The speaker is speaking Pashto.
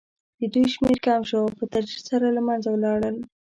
د دوی شمېر کم شو او په تدریج سره له منځه لاړل.